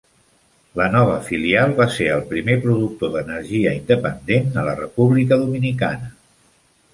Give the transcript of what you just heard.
La nova filial va ser el primer productor d"energia independent a la República Dominicana.